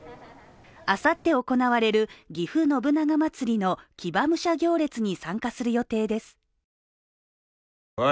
あさって行われるぎふ信長まつりの騎馬武者行列に参加する予定です。